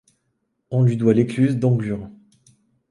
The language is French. On lui doit l'écluse d'Anglure.